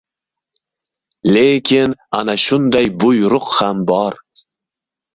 — Lekin ana shunday buyruq ham bor!